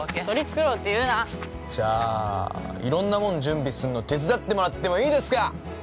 取り繕うって言うなじゃあ色んなもん準備すんの手伝ってもらってもいいですか？